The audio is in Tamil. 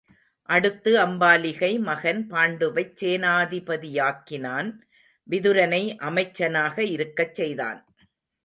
அடுத்து அம்பாலிகை மகன் பாண்டுவைச் சேனாதிபதியாக்கினான் விதுரனை அமைச்சனாக இருக்கச் செய்தான்.